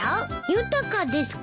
豊かですか？